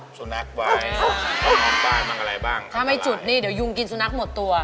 ซูนักไว้ล้อมบ้านมันอะไรบ้างศักดาลายถ้าไม่จุดนี่เดี๋ยวยุงกินซูนักหมดตัว